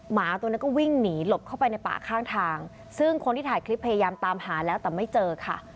หมาตัวนั้นก็วิ่งหนีหลบเข้าไปในป่าข้างทางซึ่งคนที่ถ่ายคลิปพยายามตามหาแล้วแต่ไม่เจอค่ะ